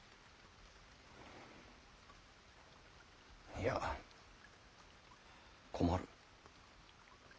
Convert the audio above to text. いや困る。